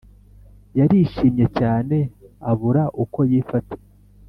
yarishimye cyane abura uko yifata